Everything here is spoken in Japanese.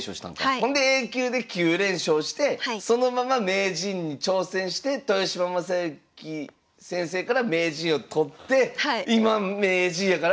ほんでＡ級で９連勝してそのまま名人に挑戦して豊島将之先生から名人を取って今名人やから。